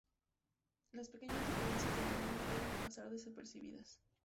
Las pequeñas diferencias de volumen pueden pasar desapercibidas.